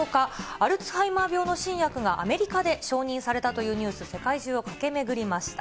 アルツハイマー病の新薬がアメリカで承認されたというニュース、世界中を駆け巡りました。